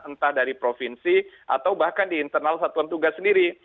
entah dari provinsi atau bahkan di internal satuan tugas sendiri